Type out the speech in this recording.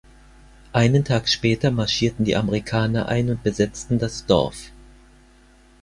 Einen Tag später marschierten die Amerikaner ein und besetzten das Dorf.